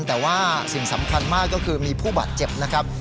แต่ว่าสิ่งสำคัญมากก็คือมีผู้บาดเจ็บนะครับ